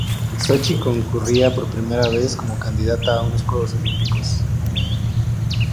Sochi concurría por primera vez como candidata a unos Juegos Olímpicos.